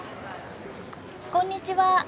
こんにちは。